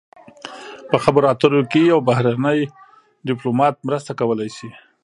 په خبرو اترو کې یو بهرنی ډیپلومات مرسته کولی شي